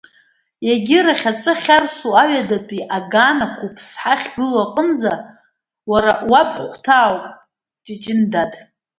Егьырахь, аҵәы ахьарсу аҩадатәи аган ақәыԥсҳа ахьгылоу аҟынӡа, уара уабхәҭаа ауп, Ҷыҷын, дад!